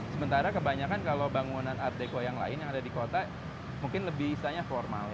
sementara kebanyakan kalau bangunan art deko yang lain yang ada di kota mungkin lebih istilahnya formal